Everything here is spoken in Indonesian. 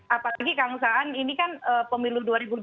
apatagi kan usahaan ini kan pemilu dua ribu dua puluh empat